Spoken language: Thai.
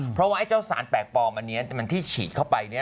เพราะว่าไอ้เจ้าสารแปลกปลอมอันนี้มันที่ฉีดเข้าไป